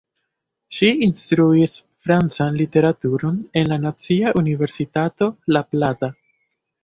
Ŝi instruis francan literaturon en la Nacia Universitato La Plata.